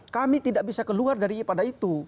kami tidak bisa keluar daripada itu